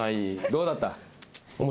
どうだった？